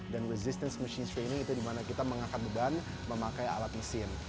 dan resistance machine training itu dimana kita mengangkat beban memakai alat mesin